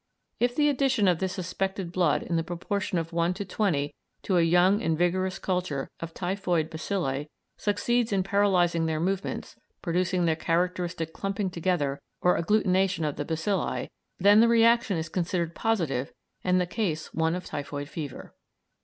If the addition of this suspected blood in the proportion of one to twenty to a young and vigorous culture of typhoid bacilli succeeds in paralysing their movements, producing the characteristic clumping together or agglutination of the bacilli, then the reaction is considered positive and the case one of typhoid fever.